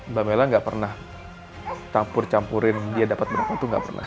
mbak mela nggak pernah campur campurin dia dapat berapa itu nggak pernah